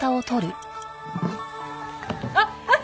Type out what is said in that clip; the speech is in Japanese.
あっあっ！